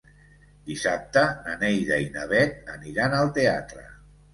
Dissabte na Neida i na Bet aniran al teatre.